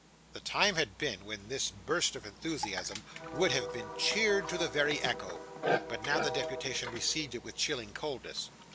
The time had been, when this burst of enthusiasm would have been cheered to the very echo; but now, the deputation received it with chilling coldness.